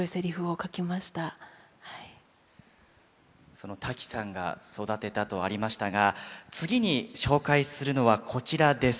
そのタキさんが育てたとありましたが次に紹介するのはこちらです。